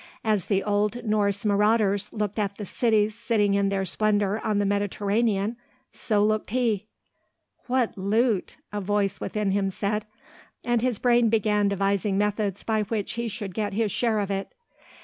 As the old Norse marauders looked at the cities sitting in their splendour on the Mediterranean so looked he. "What loot!" a voice within him said, and his brain began devising methods by which he should get his share of it.